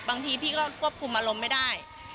บางทีพี่ก็ควบคุมอารมณ์ไม่ได้